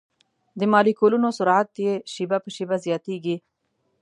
د مالیکولونو سرعت یې شېبه په شېبه زیاتیږي.